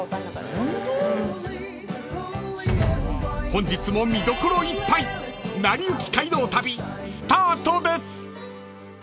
［本日も見どころいっぱい『なりゆき街道旅』スタートです］